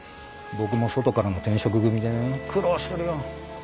僕も外からの転職組でね苦労してるよ。